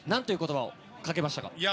どう言葉をかけましたか。